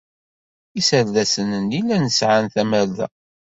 Iserdasen-nni llan sɛan tamerda.